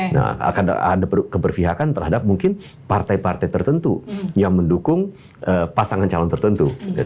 nah akan ada keberpihakan terhadap mungkin partai partai tertentu yang mendukung pasangan calon tertentu